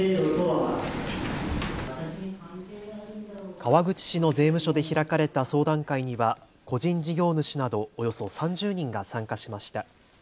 川口市の税務署で開かれた相談会には個人事業主などおよそ３０人が参加しました。